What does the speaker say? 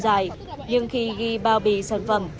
cái mứt này là anh tự làm không